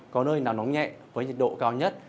có nơi nào nóng nhẹ với nhiệt độ cao nhất